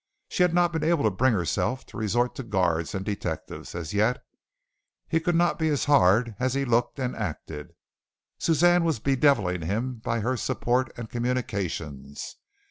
She had not been able to bring herself to resort to guards and detectives as yet. He could not be as hard as he looked and acted. Suzanne was bedeviling him by her support and communications.